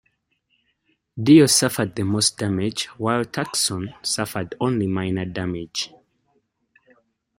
"Deyo" suffered the most damage, while "Tucson" suffered only minor damage.